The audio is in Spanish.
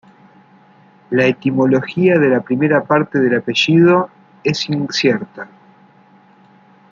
La etimología de la primera parte del apellido es incierta.